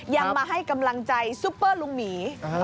ยังมาให้กำลังใจซุปเปอร์ลุงหมี